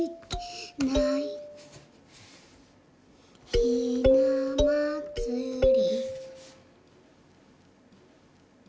「ひなまつり」